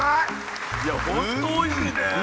いやほんとおいしいね。